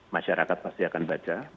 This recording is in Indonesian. masyarakat pasti akan baca